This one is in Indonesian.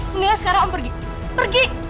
mendingan sekarang om pergi pergi